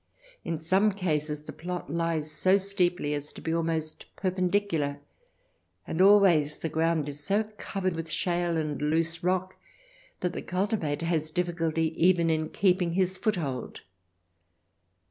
In some cases the plot lies so steeply as to be almost perpendicular, and always the ground is so covered with shale and loose rock that the cultivator has difficulty even in keeping his foothold.